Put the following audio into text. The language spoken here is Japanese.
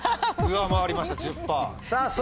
上回りました１０％。